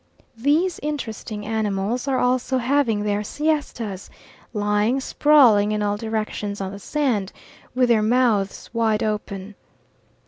These interesting animals are also having their siestas, lying sprawling in all directions on the sand, with their mouths wide open.